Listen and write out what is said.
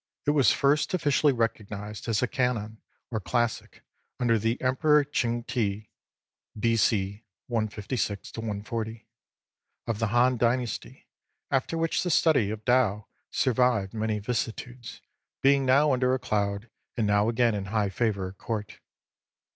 It was first officially recognised as a " canon " or " classic " under the Emperor Ching Ti (B.C. 156 140) of the Han Dynasty, after which the study of Tao survived many vicissitudes, being now under a cloud, and now again in high favour at Court.